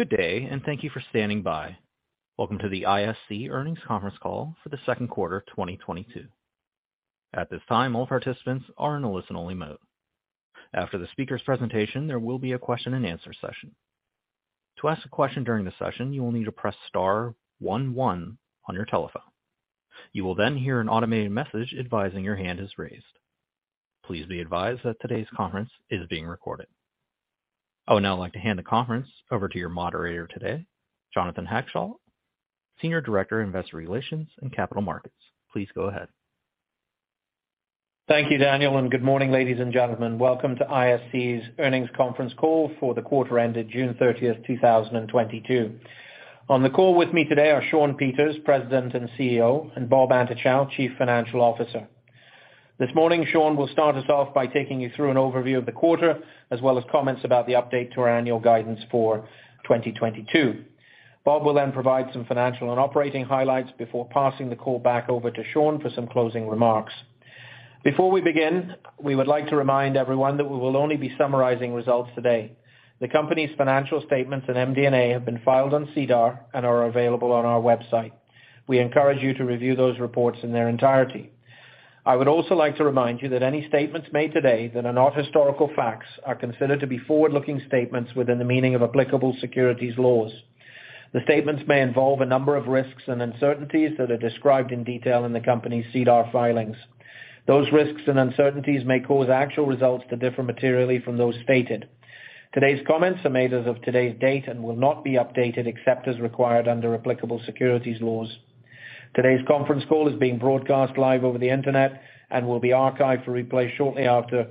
Good day, and thank you for standing by. Welcome to the ISC Earnings Conference Call for the Second Quarter of 2022. At this time, all participants are in a listen-only mode. After the speaker's presentation, there will be a question-and-answer session. To ask a question during the session, you will need to press star one one on your telephone. You will then hear an automated message advising your hand is raised. Please be advised that today's conference is being recorded. I would now like to hand the conference over to your moderator today, Jonathan Hackshaw, Senior Director, Investor Relations & Capital Markets. Please go ahead. Thank you, Daniel, and good morning, ladies and gentlemen. Welcome to ISC's Earnings Conference Call for the quarter ended June 30th, 2022. On the call with me today are Shawn Peters, President and CEO, and Robert Antochow, Chief Financial Officer. This morning, Shawn will start us off by taking you through an overview of the quarter, as well as comments about the update to our annual guidance for 2022. Robert will then provide some financial and operating highlights before passing the call back over to Shawn for some closing remarks. Before we begin, we would like to remind everyone that we will only be summarizing results today. The company's financial statements and MD&A have been filed on SEDAR+ and are available on our website. We encourage you to review those reports in their entirety. I would also like to remind you that any statements made today that are not historical facts are considered to be forward-looking statements within the meaning of applicable securities laws. The statements may involve a number of risks and uncertainties that are described in detail in the company's SEDAR+ filings. Those risks and uncertainties may cause actual results to differ materially from those stated. Today's comments are made as of today's date and will not be updated except as required under applicable securities laws. Today's conference call is being broadcast live over the Internet and will be archived for replay shortly after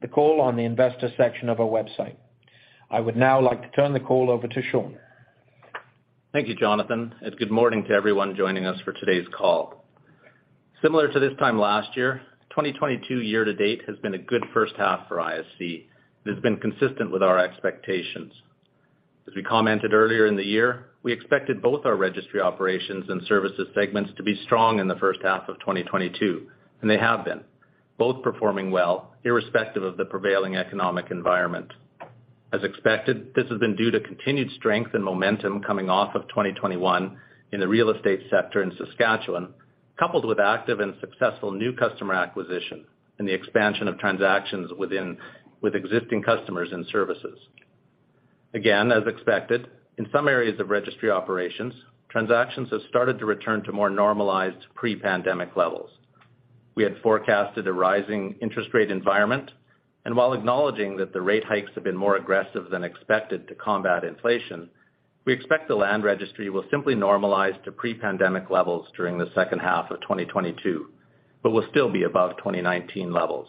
the call on the investor section of our website. I would now like to turn the call over to Shawn. Thank you, Jonathan, and good morning to everyone joining us for today's call. Similar to this time last year, 2022 year to date has been a good first half for ISC that has been consistent with our expectations. We commented earlier in the year, we expected both our Registry Operations and services segments to be strong in the first half of 2022, and they have been, both performing well, irrespective of the prevailing economic environment. This has been due to continued strength and momentum coming off of 2021 in the real estate sector in Saskatchewan, coupled with active and successful new customer acquisition and the expansion of transactions with existing customers and services. In some areas of Registry Operations, transactions have started to return to more normalized pre-pandemic levels. We had forecasted a rising interest rate environment, while acknowledging that the rate hikes have been more aggressive than expected to combat inflation, we expect the land Registry will simply normalize to pre-pandemic levels during the second half of 2022, but will still be above 2019 levels.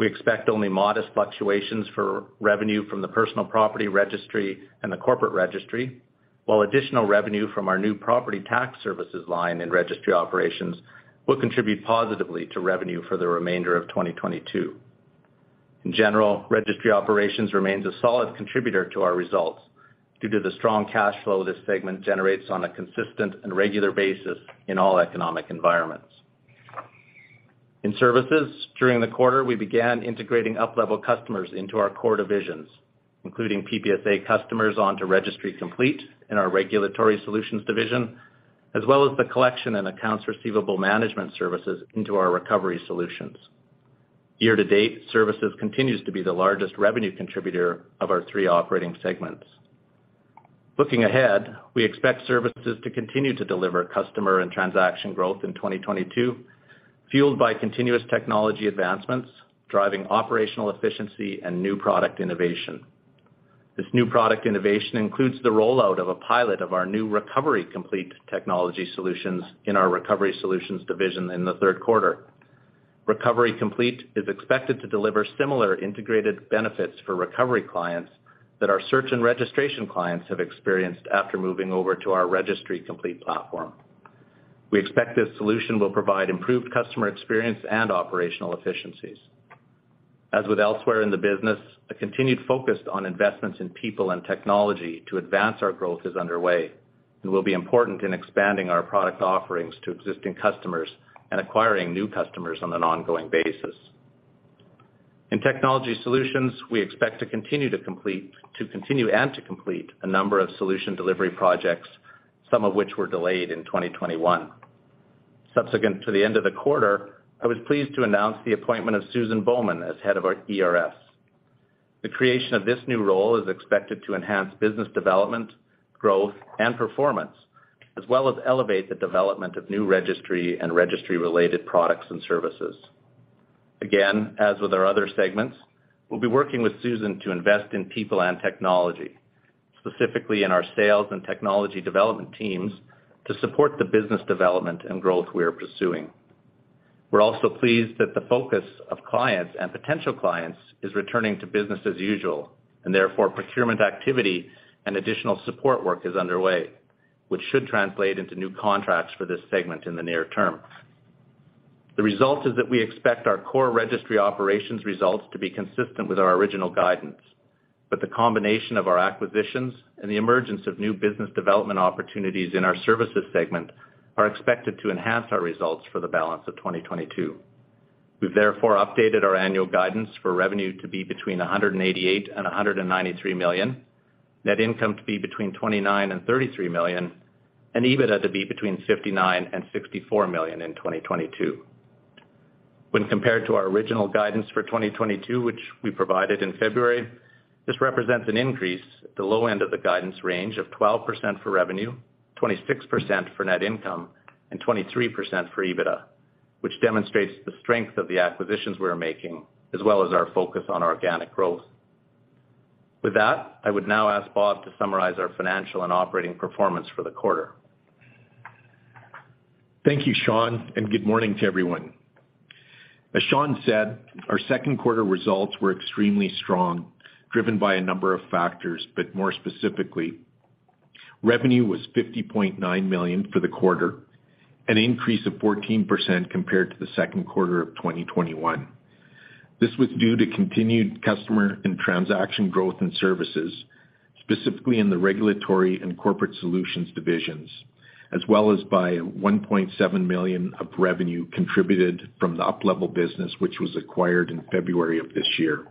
We expect only modest fluctuations for revenue from the personal property Registry and the corporate Registry, while additional revenue from our new Property Tax Services line in Registry Operations will contribute positively to revenue for the remainder of 2022. In general, Registry Operations remains a solid contributor to our results due to the strong cash flow this segment generates on a consistent and regular basis in all economic environments. In Services, during the quarter, we began integrating UPLevel customers into our core divisions, including PBSA customers onto Registry Complete in our Regulatory Solutions division, as well as the collection and accounts receivable management services into our Recovery Solutions. Year to date, Services continues to be the largest revenue contributor of our three operating segments. Looking ahead, we expect Services to continue to deliver customer and transaction growth in 2022, fueled by continuous technology advancements, driving operational efficiency and new product innovation. This new product innovation includes the rollout of a pilot of our new Recovery Complete technology solutions in our Recovery Solutions division in the third quarter. Recovery Complete is expected to deliver similar integrated benefits for Recovery clients that our search and registration clients have experienced after moving over to our Registry Complete platform. We expect this solution will provide improved customer experience and operational efficiencies. As with elsewhere in the business, a continued focus on investments in people and technology to advance our growth is underway and will be important in expanding our product offerings to existing customers and acquiring new customers on an ongoing basis. In technology solutions, we expect to continue and to complete a number of solution delivery projects, some of which were delayed in 2021. Subsequent to the end of the quarter, I was pleased to announce the appointment of Susan Bowman as Head of our ERS. The creation of this new role is expected to enhance business development, growth, and performance, as well as elevate the development of new Registry and Registry-related products and services. Again, as with our other segments, we'll be working with Susan to invest in people and technology, specifically in our sales and technology development teams, to support the business development and growth we are pursuing. We're also pleased that the focus of clients and potential clients is returning to business as usual, and therefore, procurement activity and additional support work is underway, which should translate into new contracts for this segment in the near term. The result is that we expect our core Registry Operations results to be consistent with our original guidance, but the combination of our acquisitions and the emergence of new business development opportunities in our services segment are expected to enhance our results for the balance of 2022. We've therefore updated our annual guidance for revenue to be between 188 million and 193 million, net income to be between 29 million and 33 million, and EBITDA to be between 59 million and 64 million in 2022. When compared to our original guidance for 2022, which we provided in February, this represents an increase at the low end of the guidance range of 12% for revenue, 26% for net income, and 23% for EBITDA, which demonstrates the strength of the acquisitions we are making, as well as our focus on organic growth. With that, I would now ask Bob to summarize our financial and operating performance for the quarter. Thank you, Shawn, and good morning to everyone. As Shawn said, our second quarter results were extremely strong, driven by a number of factors, but more specifically, revenue was 50.9 million for the quarter, an increase of 14% compared to the second quarter of 2021. This was due to continued customer and transaction growth in services, specifically in the Regulatory and Corporate Solutions divisions, as well as by 1.7 million of revenue contributed from the UPLevel business which was acquired in February of this year.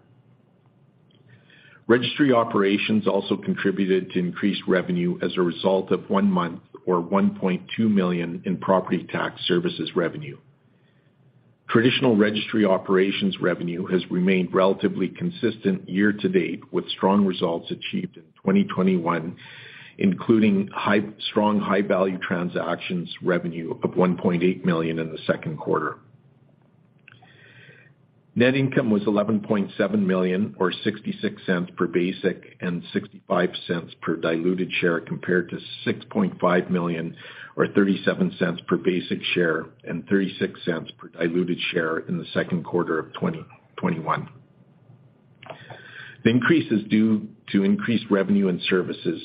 Registry operations also contributed to increased revenue as a result of one month or 1.2 million in Property Tax Services revenue. Traditional Registry Operations revenue has remained relatively consistent year to date, with strong results achieved in 2021, including strong high-value transactions revenue of 1.8 million in the second quarter. Net income was 11.7 million, or 0.66 per basic and 0.65 per diluted share, compared to 6.5 million, or 0.37 per basic share and 0.36 per diluted share in the second quarter of 2021. The increase is due to increased revenue in services,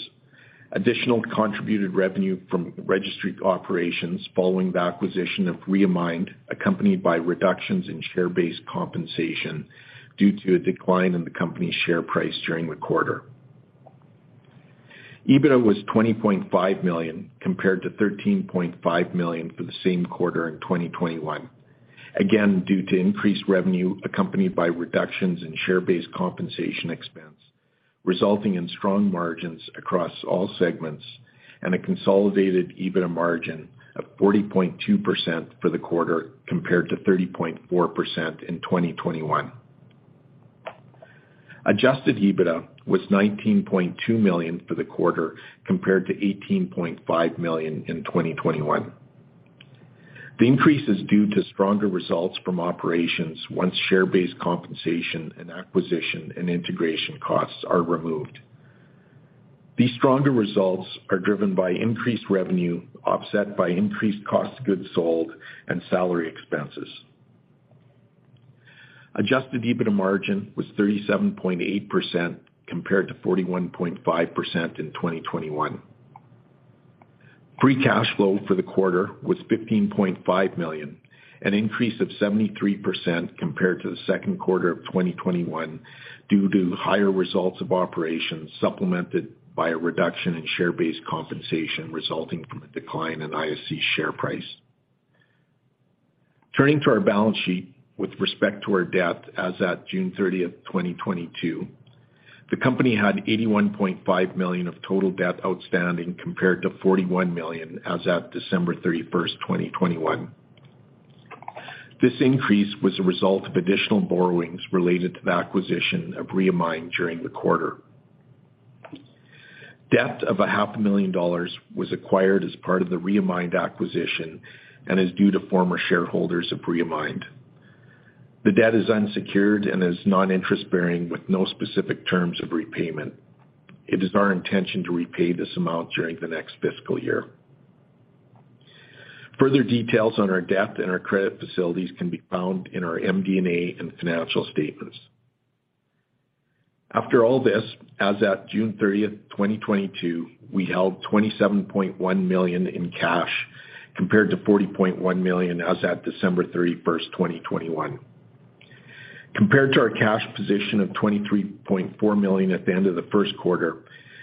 additional contributed revenue from Registry Operations following the acquisition of Reamined, accompanied by reductions in share-based compensation due to a decline in the company's share price during the quarter. EBITDA was 20.5 million, compared to 13.5 million for the same quarter in 2021, again, due to increased revenue accompanied by reductions in share-based compensation expense, resulting in strong margins across all segments and a consolidated EBITDA margin of 40.2% for the quarter compared to 30.4% in 2021. Adjusted EBITDA was 19.2 million for the quarter compared to 18.5 million in 2021. The increase is due to stronger results from operations once share-based compensation and acquisition and integration costs are removed. These stronger results are driven by increased revenue offset by increased cost of goods sold and salary expenses. Adjusted EBITDA margin was 37.8% compared to 41.5% in 2021. Free cash flow for the quarter was 15.5 million, an increase of 73% compared to the second quarter of 2021 due to higher results of operations supplemented by a reduction in share-based compensation resulting from a decline in ISC share price. Turning to our balance sheet with respect to our debt as at June 30th, 2022, the company had 81.5 million of total debt outstanding compared to 41 million as at December 31st, 2021. This increase was a result of additional borrowings related to the acquisition of Reamined during the quarter. Debt of CAD half a million dollars was acquired as part of the Reamined acquisition and is due to former shareholders of Reamined. The debt is unsecured and is non-interest bearing with no specific terms of repayment. It is our intention to repay this amount during the next fiscal year. Further details on our debt and our credit facilities can be found in our MD&A and financial statements. After all this, as at June 30th, 2022, we held CAD 27.1 million in cash compared to CAD 40.1 million as at December 31st, 2021. Compared to our cash position of 23.4 million at the end of the first quarter,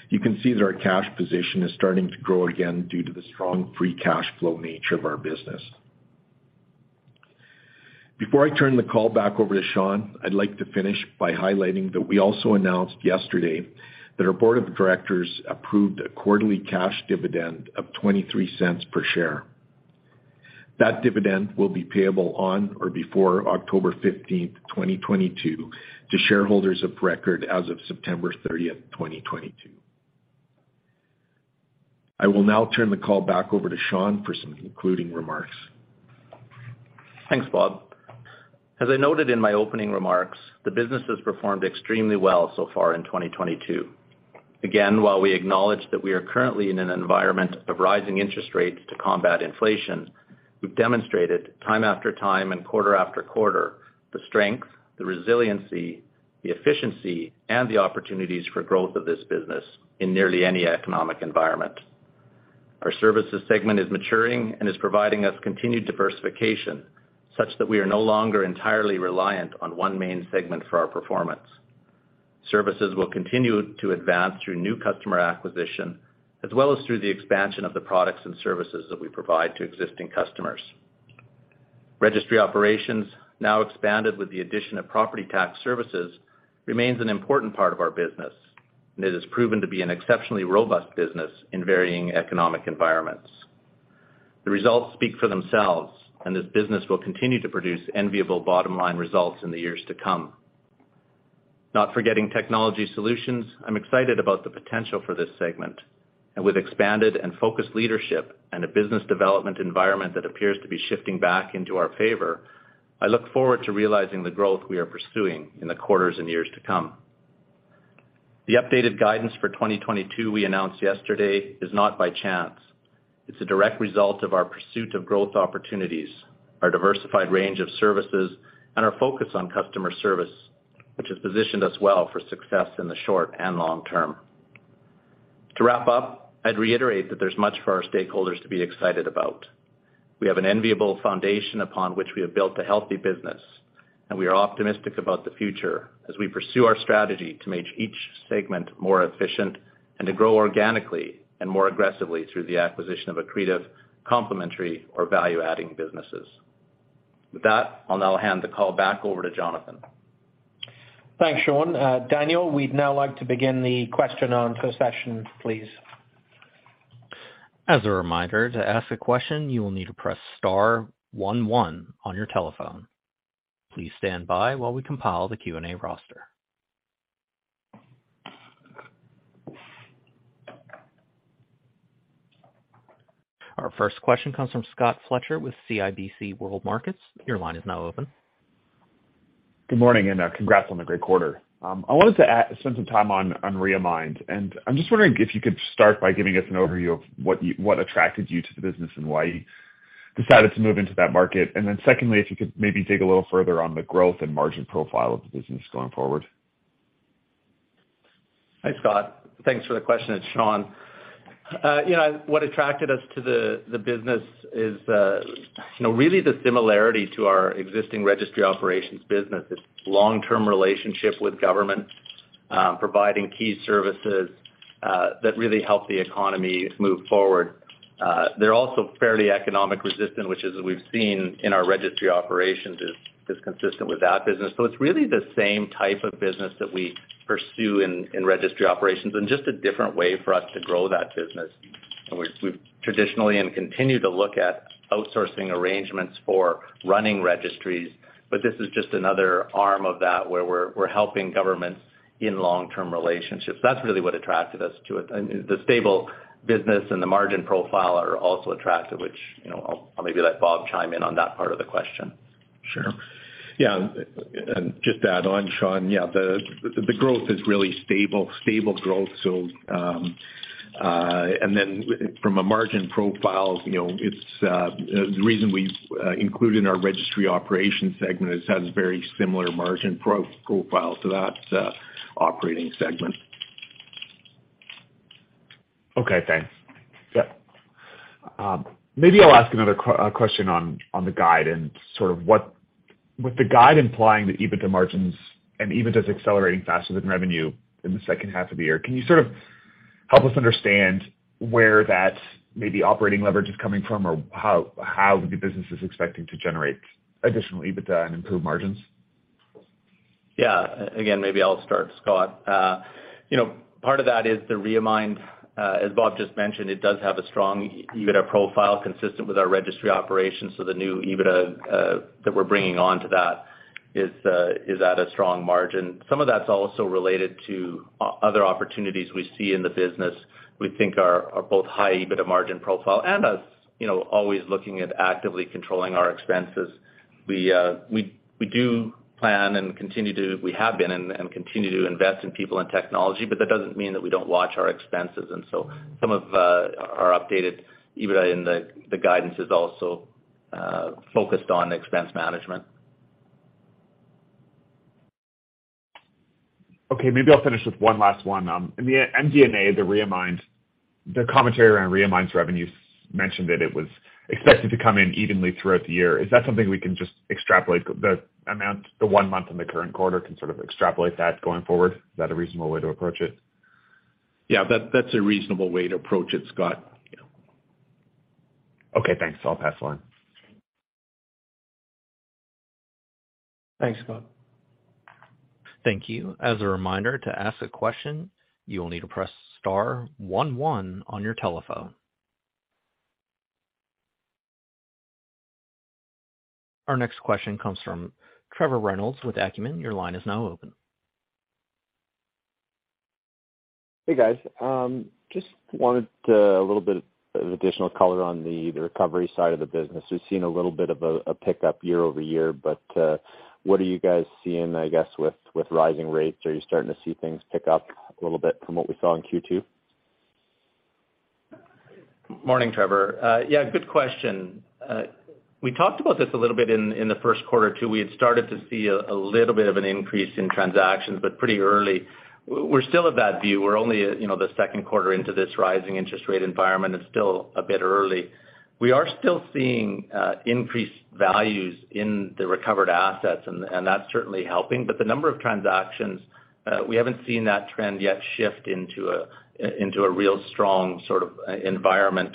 you can see that our cash position is starting to grow again due to the strong free cash flow nature of our business. Before I turn the call back over to Shawn, I'd like to finish by highlighting that we also announced yesterday that our board of directors approved a quarterly cash dividend of 0.23 per share. That dividend will be payable on or before October 15th, 2022, to shareholders of record as of September 30th, 2022. I will now turn the call back over to Shawn for some concluding remarks. Thanks, Bob. As I noted in my opening remarks, the business has performed extremely well so far in 2022. Again, while we acknowledge that we are currently in an environment of rising interest rates to combat inflation, we've demonstrated time after time and quarter after quarter the strength, the resiliency, the efficiency, and the opportunities for growth of this business in nearly any economic environment. Our services segment is maturing and is providing us continued diversification such that we are no longer entirely reliant on one main segment for our performance. Services will continue to advance through new customer acquisition, as well as through the expansion of the products and services that we provide to existing customers. Registry operations, now expanded with the addition of property tax services, remains an important part of our business, and it has proven to be an exceptionally robust business in varying economic environments. The results speak for themselves, and this business will continue to produce enviable bottom-line results in the years to come. Not forgetting technology solutions, I'm excited about the potential for this segment. With expanded and focused leadership and a business development environment that appears to be shifting back into our favor, I look forward to realizing the growth we are pursuing in the quarters and years to come. The updated guidance for 2022 we announced yesterday is not by chance. It's a direct result of our pursuit of growth opportunities, our diversified range of services, and our focus on customer service, which has positioned us well for success in the short and long term. To wrap up, I'd reiterate that there's much for our stakeholders to be excited about. We have an enviable foundation upon which we have built a healthy business, and we are optimistic about the future as we pursue our strategy to make each segment more efficient and to grow organically and more aggressively through the acquisition of accretive, complementary or value-adding businesses. With that, I'll now hand the call back over to Jonathan. Thanks, Sean. Daniel, we'd now like to begin the question and answer session, please. As a reminder, to ask a question, you will need to press star one one on your telephone. Please stand by while we compile the Q&A roster. Our first question comes from Scott Fletcher with CIBC World Markets. Your line is now open. Good morning, congrats on the great quarter. I wanted to spend some time on Reamined. I'm just wondering if you could start by giving us an overview of what attracted you to the business and why you decided to move into that market. Then secondly, if you could maybe dig a little further on the growth and margin profile of the business going forward. Hi, Scott. Thanks for the question. It's Shawn. You know, what attracted us to the business is, you know, really the similarity to our existing Registry Operations business. It's long-term relationship with government, providing key services, that really help the economy move forward. They're also fairly economically resistant, which as we've seen in our Registry Operations is consistent with that business. So it's really the same type of business that we pursue in Registry Operations and just a different way for us to grow that business. We've traditionally and continue to look at outsourcing arrangements for running registries, but this is just another arm of that, where we're helping governments in long-term relationships. That's really what attracted us to it. The stable business and the margin profile are also attractive, which, you know, I'll maybe let Bob chime in on that part of the question. Sure. Yeah, just to add on, Shawn, yeah, the growth is really stable growth. From a margin profile, you know, it's the reason we include in our Registry Operation segment. It has very similar margin profile to that operating segment. Okay, thanks. Yeah, maybe I'll ask another question on the guide with the guide implying the EBITDA margins and EBITDA's accelerating faster than revenue in the second half of the year. Can you sort of help us understand where that maybe operating leverage is coming from or how the business is expecting to generate additional EBITDA and improve margins? Yeah. Again, maybe I'll start, Scott. You know, part of that is the Reamined. As Bob just mentioned, it does have a strong EBITDA profile consistent with our Registry Operations. The new EBITDA that we're bringing on to that is at a strong margin. Some of that's also related to other opportunities we see in the business we think are both high EBITDA margin profile and us, you know, always looking at actively controlling our expenses. We have been and continue to invest in people and technology, but that doesn't mean that we don't watch our expenses. Some of our updated EBITDA in the guidance is also focused on expense management. Okay, maybe I'll finish with one last one. In the MD&A, the Reamined, the commentary around Reamined's revenues mentioned that it was expected to come in evenly throughout the year. Is that something we can just extrapolate the amount, the one month in the current quarter can sort of extrapolate that going forward? Is that a reasonable way to approach it? Yeah, that's a reasonable way to approach it, Scott. Okay, thanks. I'll pass along. Thanks, Scott. Thank you. As a reminder, to ask a question, you will need to press star one one on your telephone. Our next question comes from Trevor Reynolds with Acumen. Your line is now open. Hey, guys. Just wanted a little bit of additional color on the recovery side of the business. We've seen a little bit of a pickup year-over-year, but what are you guys seeing, I guess, with rising rates? Are you starting to see things pick up a little bit from what we saw in Q2? Morning, Trevor. Yeah, good question. We talked about this a little bit in the first quarter too. We had started to see a little bit of an increase in transactions, but pretty early. We're still of that view. We're only, you know, the second quarter into this rising interest rate environment. It's still a bit early. We are still seeing increased values in the recovered assets and that's certainly helping. But the number of transactions, we haven't seen that trend yet shift into a real strong sort of environment.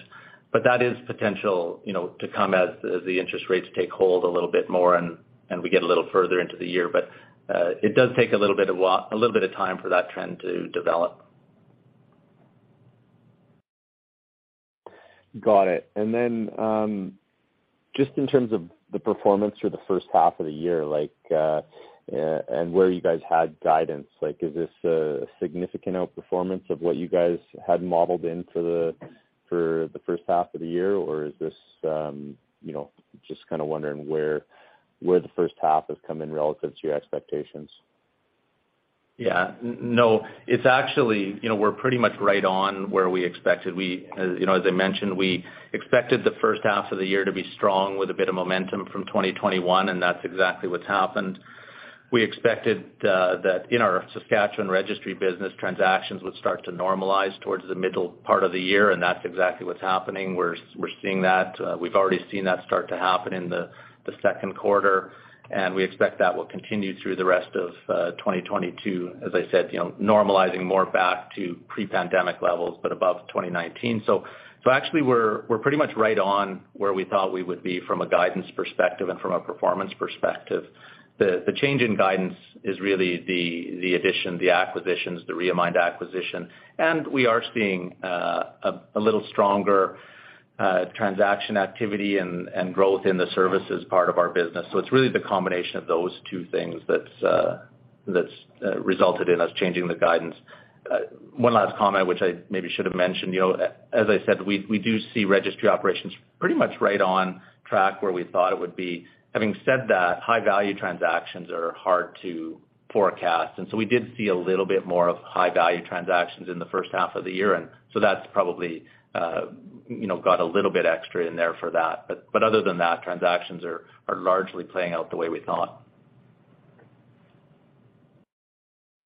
But that is potential, you know, to come as the interest rates take hold a little bit more and we get a little further into the year. But it does take a little bit of time for that trend to develop. Got it. Just in terms of the performance for the first half of the year, like, and where you guys had guidance, like is this a significant outperformance of what you guys had modeled in for the first half of the year? Or is this, you know, just kinda wondering where the first half has come in relative to your expectations. Yeah. No. It's actually, you know, we're pretty much right on where we expected. We, as, you know, as I mentioned, we expected the first half of the year to be strong with a bit of momentum from 2021, and that's exactly what's happened. We expected that in our Saskatchewan Registry business, transactions would start to normalize towards the middle part of the year, and that's exactly what's happening. We're seeing that. We've already seen that start to happen in the second quarter, and we expect that will continue through the rest of 2022. As I said, you know, normalizing more back to pre-pandemic levels, but above 2019. Actually, we're pretty much right on where we thought we would be from a guidance perspective and from a performance perspective. The change in guidance is really the addition, the acquisitions, the Reamined acquisition. We are seeing a little stronger transaction activity and growth in the services part of our business. It's really the combination of those two things that's resulted in us changing the guidance. One last comment, which I maybe should have mentioned. You know, as I said, we do see Registry Operations pretty much right on track where we thought it would be. Having said that, high-value transactions are hard to forecast, and so we did see a little bit more of high-value transactions in the first half of the year. That's probably you know got a little bit extra in there for that. Other than that, transactions are largely playing out the way we thought.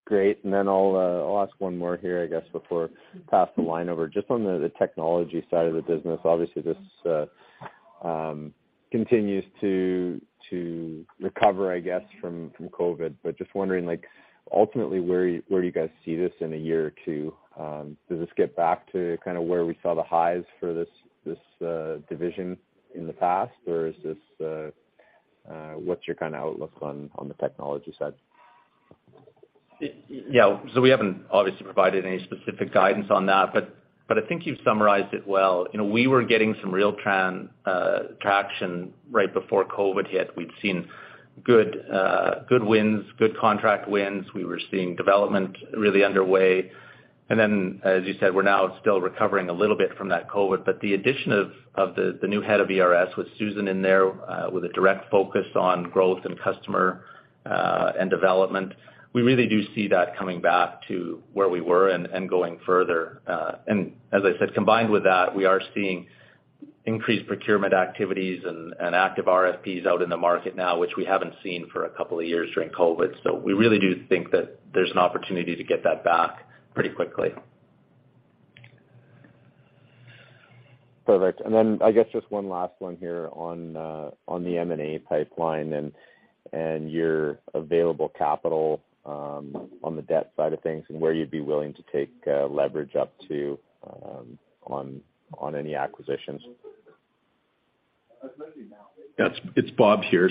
Great. Then I'll ask one more here, I guess, before I pass the line over. Just on the technology side of the business. Obviously, this continues to recover, I guess, from COVID. Just wondering, like, ultimately, where you guys see this in a year or two. Does this get back to kinda where we saw the highs for this division in the past? Or, what's your kinda outlook on the technology side? We haven't obviously provided any specific guidance on that, but I think you've summarized it well. You know, we were getting some real traction right before COVID hit. We'd seen good wins, good contract wins. We were seeing development really underway. As you said, we're now still recovering a little bit from that COVID. The addition of the new head of ERS with Susan in there, with a direct focus on growth and customer and development, we really do see that coming back to where we were and going further. As I said, combined with that, we are seeing increased procurement activities and active RFPs out in the market now, which we haven't seen for a couple of years during COVID. We really do think that there's an opportunity to get that back pretty quickly. Perfect. Then I guess just one last one here on the M&A pipeline and your available capital on the debt side of things and where you'd be willing to take leverage up to on any acquisitions? It's Bob here.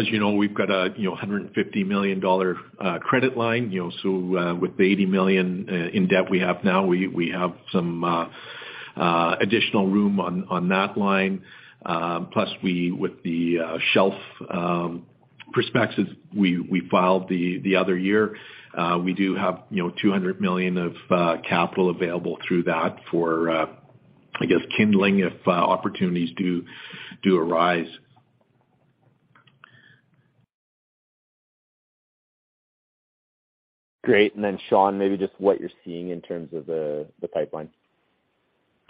As you know, we've got a, you know, 150 million dollar credit line, you know, so with the 80 million in debt we have now, we have some additional room on that line. Plus, with the shelf prospectus we filed the other year, we do have, you know, 200 million of capital available through that for, I guess, funding if opportunities do arise. Great. Shawn, maybe just what you're seeing in terms of the pipeline.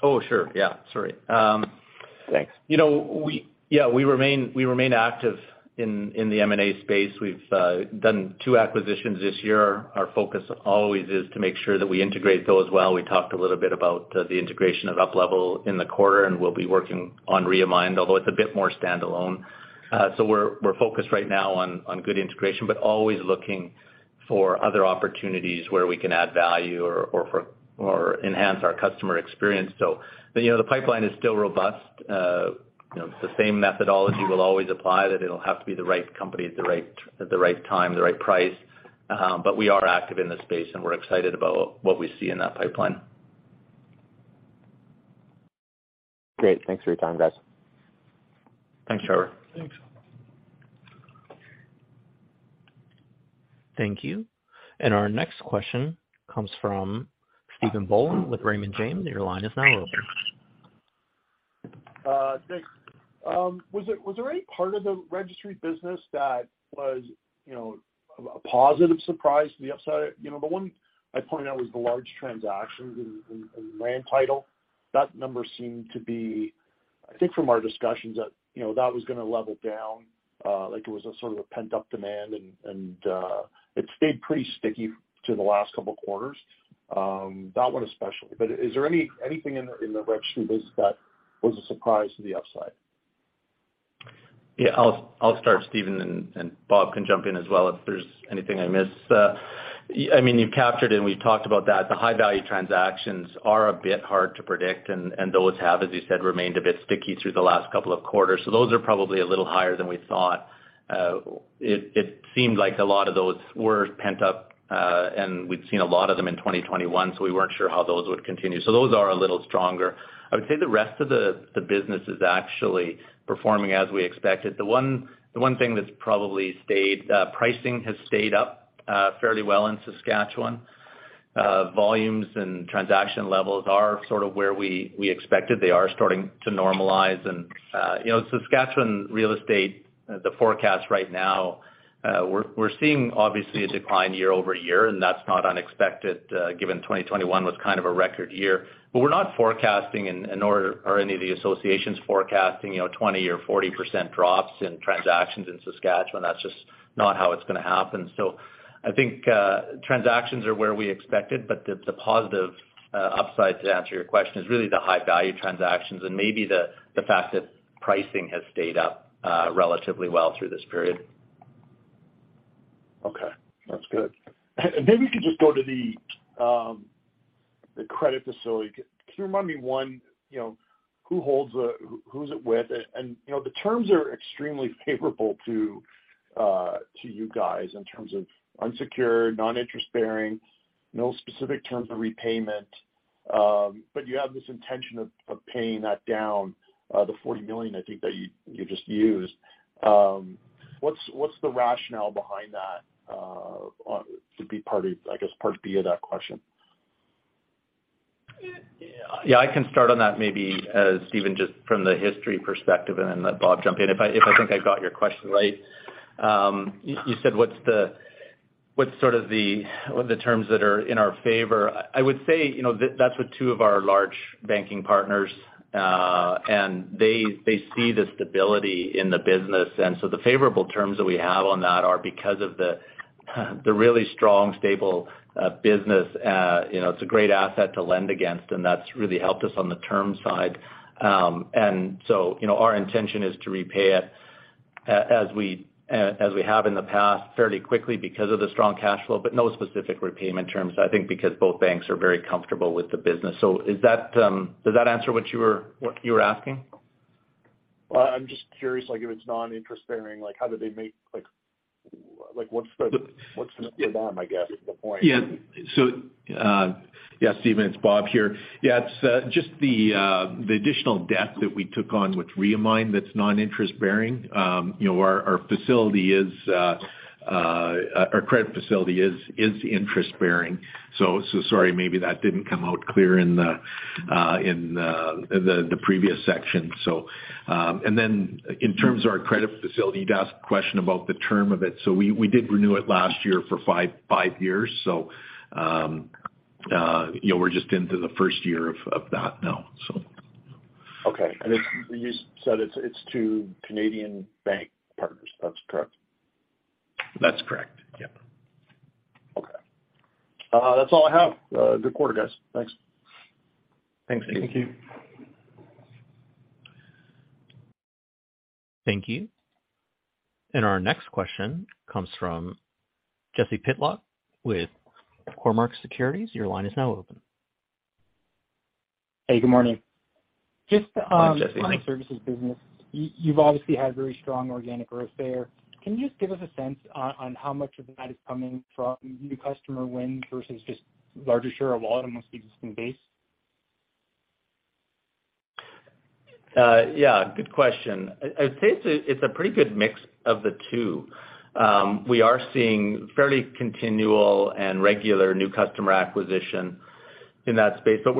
Oh, sure. Yeah. Sorry. Thanks. You know, we remain active in the M&A space. We've done two acquisitions this year. Our focus always is to make sure that we integrate those well. We talked a little bit about the integration of UPLevel in the quarter, and we'll be working on Reamined, although it's a bit more standalone. We're focused right now on good integration, but always looking for other opportunities where we can add value or enhance our customer experience. You know, the pipeline is still robust. You know, the same methodology will always apply, that it'll have to be the right company at the right time, the right price. We are active in this space, and we're excited about what we see in that pipeline. Great. Thanks for your time, guys. Thanks, Trevor. Thanks. Thank you. Our next question comes from Stephen Boland with Raymond James. Your line is now open. Was there any part of the Registry business that was, you know, a positive surprise to the upside? You know, the one I pointed out was the large transactions in land title. That number seemed to be, I think from our discussions that, you know, that was gonna level down, like it was a sort of a pent-up demand and, it stayed pretty sticky through the last couple quarters, that one especially. Is there anything in the Registry business that was a surprise to the upside? Yeah, I'll start, Stephen and Bob can jump in as well if there's anything I miss. I mean, you've captured and we've talked about that the high value transactions are a bit hard to predict, and those have, as you said, remained a bit sticky through the last couple of quarters. Those are probably a little higher than we thought. It seemed like a lot of those were pent up, and we'd seen a lot of them in 2021, so we weren't sure how those would continue. Those are a little stronger. I would say the rest of the business is actually performing as we expected. The one thing that's probably stayed, pricing has stayed up, fairly well in Saskatchewan. Volumes and transaction levels are sort of where we expected. They are starting to normalize. You know, Saskatchewan real estate, the forecast right now, we're seeing obviously a decline year-over-year, and that's not unexpected, given 2021 was kind of a record year. We're not forecasting or any of the associations forecasting, you know, 20% or 40% drops in transactions in Saskatchewan. That's just not how it's gonna happen. I think, transactions are where we expected, but the positive, upside to answer your question is really the high value transactions and maybe the fact that pricing has stayed up, relatively well through this period. Okay, that's good. Maybe we could just go to the credit facility. Can you remind me, one, you know, who's it with? You know, the terms are extremely favorable to you guys in terms of unsecured, non-interest bearing, no specific terms of repayment. You have this intention of paying that down, the 40 million I think that you just used. What's the rationale behind that to be part of, I guess, part B of that question? Yeah, I can start on that maybe, Stephen, just from the history perspective and then let Bob jump in. If I think I got your question right. You said what's sort of the terms that are in our favor? I would say, you know, that's with two of our large banking partners, and they see the stability in the business. The favorable terms that we have on that are because of the really strong, stable business. You know, it's a great asset to lend against, and that's really helped us on the term side. You know, our intention is to repay it as we have in the past fairly quickly because of the strong cash flow, but no specific repayment terms, I think because both banks are very comfortable with the business. Is that? Does that answer what you were asking? Well, I'm just curious, like if it's non-interest bearing, like how do they make like what's in it for them, I guess, the point? Yeah, Stephen, it's Bob here. Yeah, it's just the additional debt that we took on with Reamined that's non-interest bearing. You know, our facility is our credit facility is interest bearing. Sorry, maybe that didn't come out clear in the previous section. We did renew it last year for five years. You know, we're just into the first year of that now, so. Okay. You said it's two Canadian bank partners. That's correct? That's correct. Yep. Okay. That's all I have. Good quarter, guys. Thanks. Thanks, Stephen. Thank you. Thank you. Our next question comes from Jesse Pytlak with Cormark Securities. Your line is now open. Hey, good morning. Morning, Jesse. Just, on the Services business. You've obviously had very strong organic growth there. Can you just give us a sense on how much of that is coming from new customer wins versus just larger share of wallet among the existing base? Yeah, good question. I'd say it's a pretty good mix of the two. We are seeing fairly continual and regular new customer acquisition in that space. But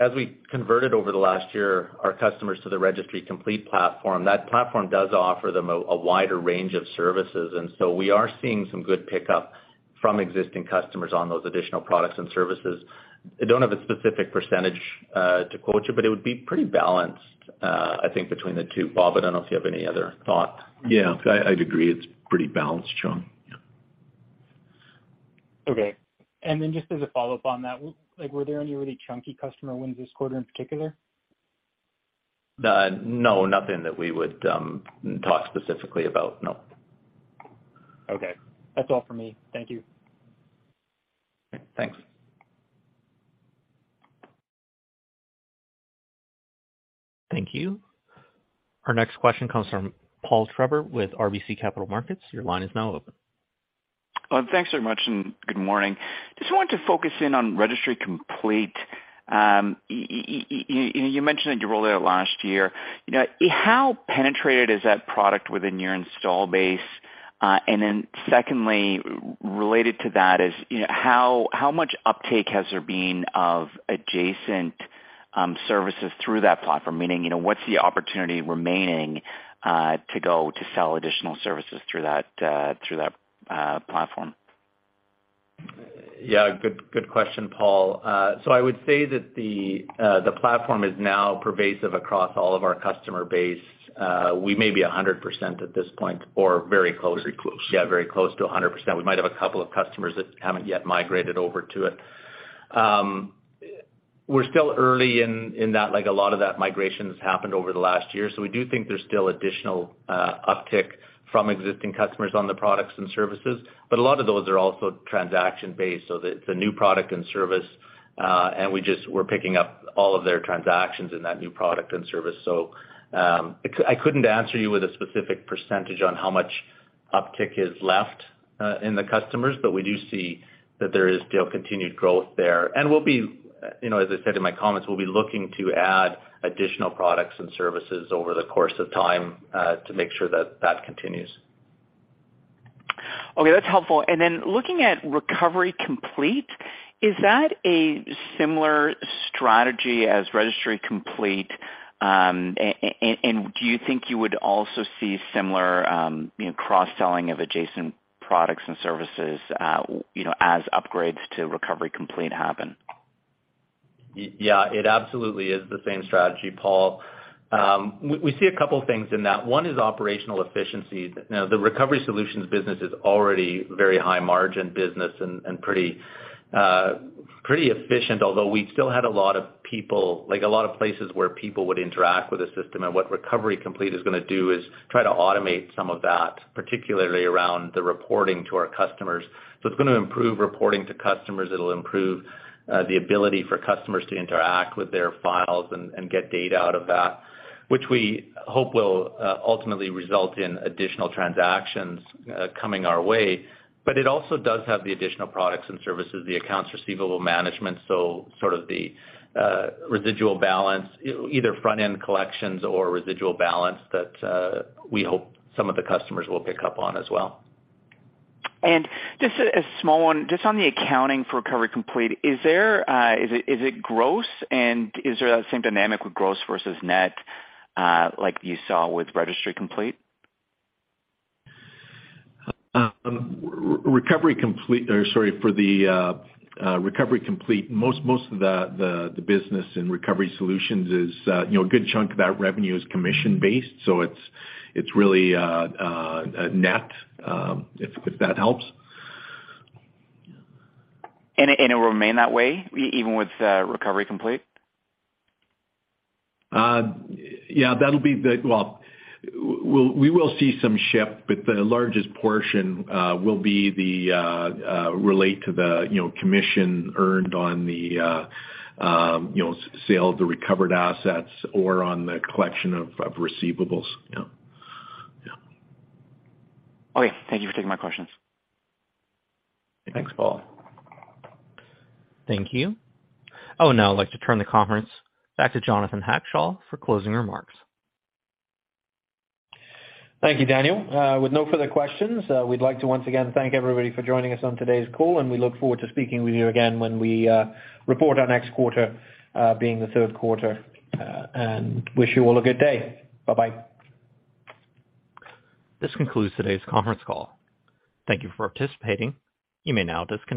as we converted over the last year our customers to the Registry Complete platform, that platform does offer them a wider range of services. We are seeing some good pickup from existing customers on those additional products and services. I don't have a specific percentage to quote you, but it would be pretty balanced, I think between the two. Bob, I don't know if you have any other thoughts. Yeah. I'd agree. It's pretty balanced, Shawn. Yeah. Okay. Just as a follow-up on that, like were there any really chunky customer wins this quarter in particular? No, nothing that we would talk specifically about. No. Okay. That's all for me. Thank you. Thanks. Thank you. Our next question comes from Paul Treiber with RBC Capital Markets. Your line is now open. Thanks very much, and good morning. Just wanted to focus in on Registry Complete. You mentioned that you rolled out last year. You know, how penetrated is that product within your installed base? Secondly, related to that is, you know, how much uptake has there been of adjacent services through that platform? Meaning, you know, what's the opportunity remaining to go to sell additional services through that platform? Yeah. Good question, Paul. I would say that the platform is now pervasive across all of our customer base. We may be 100% at this point or very close. Very close. Yeah, very close to 100%. We might have a couple of customers that haven't yet migrated over to it. We're still early in that, like a lot of that migration has happened over the last year, so we do think there's still additional uptick from existing customers on the products and services. But a lot of those are also transaction-based, so it's a new product and service, and we're picking up all of their transactions in that new product and service. I couldn't answer you with a specific percentage on how much uptick is left in the customers, but we do see that there is still continued growth there. We'll be, you know, as I said in my comments, we'll be looking to add additional products and services over the course of time, to make sure that that continues. Okay, that's helpful. Looking at Recovery Complete, is that a similar strategy as Registry Complete? Do you think you would also see similar, you know, cross-selling of adjacent products and services, you know, as upgrades to Recovery Complete happen? Yeah. It absolutely is the same strategy, Paul. We see a couple things in that. One is operational efficiency. Now, the Recovery Solutions business is already very high margin business and pretty efficient, although we still had a lot of people, like a lot of places where people would interact with the system. What Recovery Complete is gonna do is try to automate some of that, particularly around the reporting to our customers. It's gonna improve reporting to customers. It'll improve the ability for customers to interact with their files and get data out of that, which we hope will ultimately result in additional transactions coming our way. It also does have the additional products and services, the accounts receivable management, so sort of the residual balance, either front-end collections or residual balance that we hope some of the customers will pick up on as well. Just a small one, just on the accounting for Recovery Complete, is it gross and is there that same dynamic with gross versus net, like you saw with Registry Complete? Recovery Complete, or sorry, for the Recovery Complete, most of the business and Recovery Solutions is, you know, a good chunk of that revenue is commission-based, so it's really a net, if that helps. It will remain that way even with Recovery Complete? Well, we will see some shift, but the largest portion will be related to the, you know, commission earned on the, you know, sale of the recovered assets or on the collection of receivables. Yeah. Yeah. Okay. Thank you for taking my questions. Thanks, Paul. Thank you. I would now like to turn the conference back to Jonathan Hackshaw for closing remarks. Thank you, Daniel. With no further questions, we'd like to once again thank everybody for joining us on today's call, and we look forward to speaking with you again when we report our next quarter, being the third quarter. Wish you all a good day. Bye-bye. This concludes today's conference call. Thank you for participating. You may now disconnect.